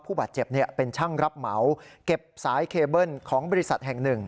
ผู้บาดเจ็บเป็นช่างรับเหมาเก็บสายเคเบิ้ลของบริษัทแห่งหนึ่ง